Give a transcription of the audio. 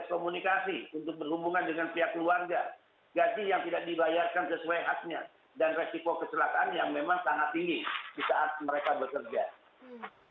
memang sangat tinggi saat mereka bekerja